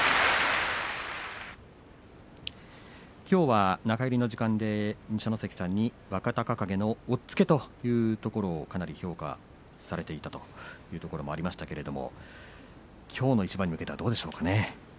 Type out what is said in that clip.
きょうは中入りの時間で二所ノ関さんに若隆景の押っつけというところをかなり評価されたというところもありましたけれどもきょうの一番に向けてはどうでしょうかね。